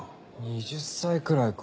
２０歳くらいか。